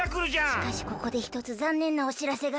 しかしここでひとつざんねんなおしらせが。